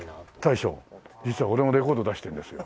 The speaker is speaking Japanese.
大将実は俺もレコード出してるんですよ。